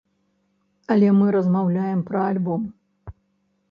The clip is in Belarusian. Але мы размаўляем пра альбом!